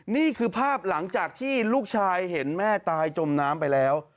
นี่คือภาพหลังจากที่ลูกชายเห็นแม่ตายจมน้ำไปแล้ว